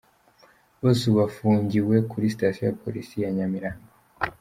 Bose ubu bafungiwe kuri sitasiyo ya Polisi ya Nyamirambo.